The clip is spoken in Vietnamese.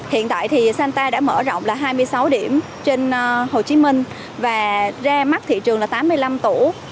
hiện tại thì santa đã mở rộng là hai mươi sáu điểm trên hồ chí minh và ra mắt thị trường là tám mươi năm tủ